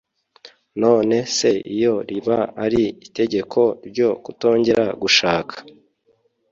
none se iyo riba ari itegeko ryo kutongera gushaka